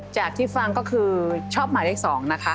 จากที่ฟังก็คือชอบหมายเลข๒นะคะ